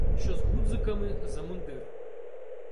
Що з гудзиками за мундир